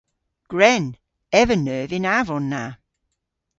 Gwren. Ev a neuv y'n avon na.